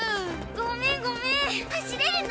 ごめんごめん。